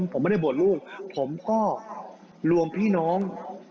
ผมไม่ได้บวชลูกผมก็รวมพี่น้อง